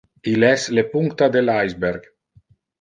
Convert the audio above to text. Il es le puncta del iceberg.